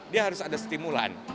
dia harus ada stimulan